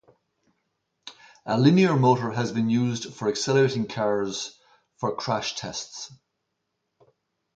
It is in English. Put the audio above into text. A linear motor has been used for accelerating cars for crash tests.